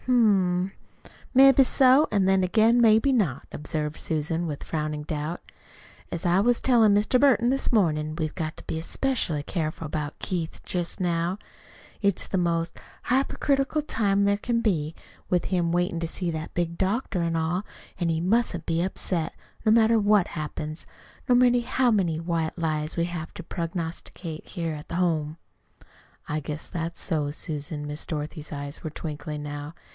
"Hm m; maybe so, an' then again maybe not," observed Susan, with frowning doubt. "As I was tellin' Mr. Burton this mornin' we've got to be 'specially careful about Keith jest now. It's the most hypercritical time there can be with him waitin' to see that big doctor, an' all an' he mustn't be upset, no matter what happens, nor how many white lies we have to prognosticate here at home." "I guess that's so, Susan." Miss Dorothy's eyes were twinkling now.